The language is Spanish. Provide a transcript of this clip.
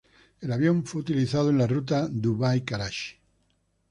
El avión fue utilizado en la ruta Dubai-Karachi.